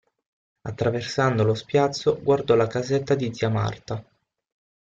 Attraversando lo spiazzo guardò la casetta di zia Marta.